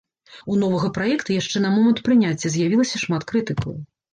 У новага праекта яшчэ на момант прыняцця з'явілася шмат крытыкаў.